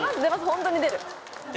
ホントに出る。